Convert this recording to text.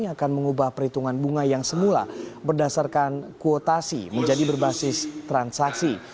akan mengubah perhitungan bunga yang semula berdasarkan kuotasi menjadi berbasis transaksi